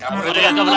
mendingan kabur aja